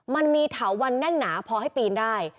มันมีเถาวันแน่นหนาพอให้ปีนได้